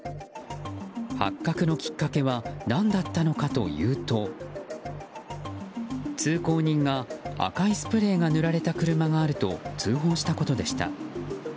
発覚のきっかけは何だったのかというと通行人が、赤いスプレーが塗られた車があると通報したことでした。